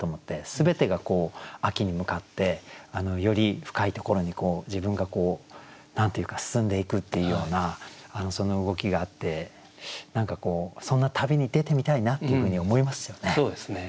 全てが秋に向かってより深いところに自分が何て言うか進んでいくっていうような動きがあって何かこうそんな旅に出てみたいなっていうふうに思いますよね。